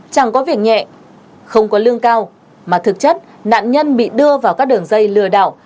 chẳng có việc nhẹ không có lương cao mà thực chất nạn nhân bị đưa vào các đường dây lừa đảo